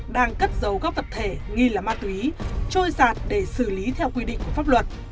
đang cất giấu các vật thể nghi là ma túy trôi giạt để xử lý theo quy định của pháp luật